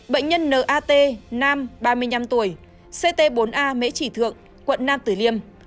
bệnh nhân nat nam ba mươi năm tuổi ct bốn a mễ trì thượng quận nam tử liêm